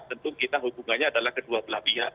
tentu kita hubungannya adalah kedua belah pihak